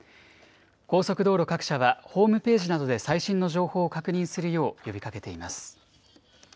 高速道路各社はホームページなどで最新の情報を確認するよう呼びかけています。